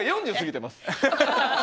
４０過ぎてます。